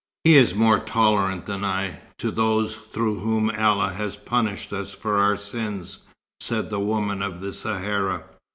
"He is more tolerant than I, to those through whom Allah has punished us for our sins," said the woman of the Sahara.